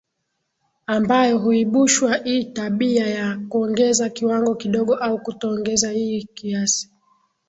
ambayo huibushwa ii tabia ya kuongeza kiwango kidogo au kutoongeza iii kiasi